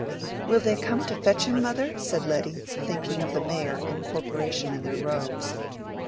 "Will they come to fetch him, mother?" said Letty, thinking of the Mayor and Corporation in their robes.